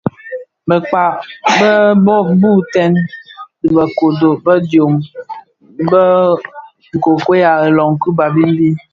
Bëkpag be boytèn bi bë kodo bë ndom bi nkokuei a ilön ki Babimbi.